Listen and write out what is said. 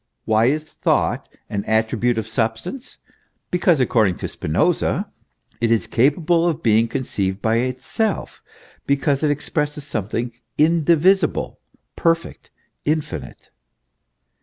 Why is Thought an attribute of sub stance ? Because, according to Spinoza, it is capable of being conceived by itself, because it expresses something indivisible, perfect, infinite.